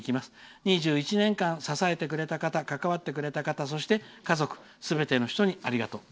２１年間、支えてくれた方関わってくれた方そして家族、すべての人にありがとう」。